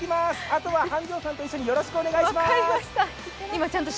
あとは繁昌さんと一緒によろしくお願いします。